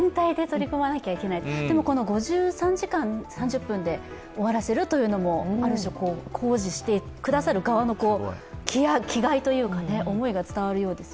でも５３時間３０分で終わらせるというのもある種、工事してくださる側の気概というか、思いが伝わるようです。